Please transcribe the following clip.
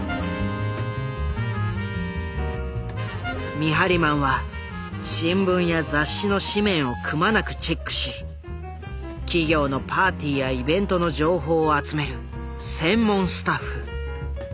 見張りマンは新聞や雑誌の誌面をくまなくチェックし企業のパーティーやイベントの情報を集める専門スタッフ。